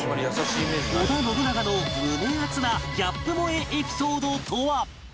織田信長の胸アツなギャップ萌えエピソードとは？